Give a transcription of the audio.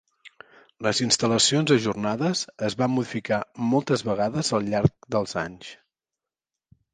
Les "instal·lacions ajornades" es van modificar moltes vegades al llarg dels anys.